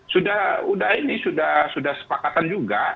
sudah sudah ini sudah sepakatan juga